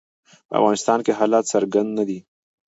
په افغانستان کې حالات څرګند نه دي.